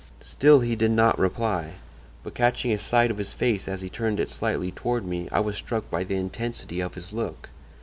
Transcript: "Still he did not reply; but catching a sight of his face as he turned it slightly toward me I was struck by the intensity of his look.